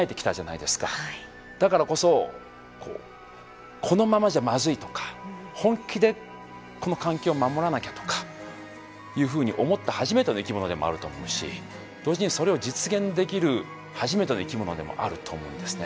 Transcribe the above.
だからこそこのままじゃまずいとか本気でこの環境を守らなきゃとかいうふうに思った初めての生き物でもあると思うし同時にそれを実現できる初めての生き物でもあると思うんですね。